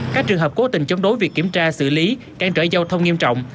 các trường hợp cố tình chống đối việc kiểm tra xử lý can trởi giao thông nghiêm trọng